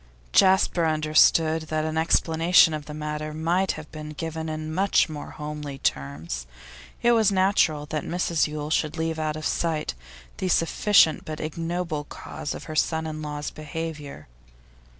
Jasper understood that an explanation of the matter might have been given in much more homely terms; it was natural that Mrs Yule should leave out of sight the sufficient, but ignoble, cause of her son in law's behaviour.